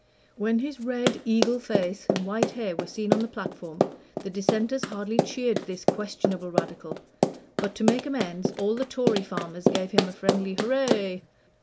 When his red eagle face and white hair were seen on the platform, the Dissenters hardly cheered this questionable Radical; but to make amends, all the Tory farmers gave him a friendly "hurray."